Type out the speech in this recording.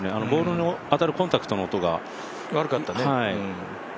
ボールに当たるコンタクトの音が悪かったね。